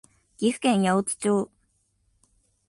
岐阜県八百津町